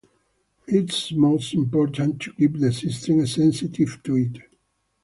It is most important to keep the system sensitive to it.